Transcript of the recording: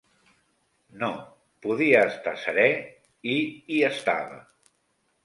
No: podia estar serè, i hi estava